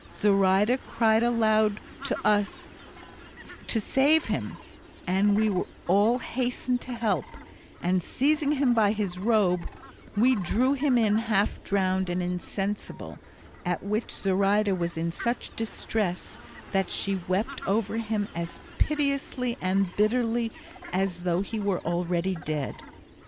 Zoraida cried aloud to us to save him, and we all hastened to help, and seizing him by his robe we drew him in half drowned and insensible, at which Zoraida was in such distress that she wept over him as piteously and bitterly as though he were already dead.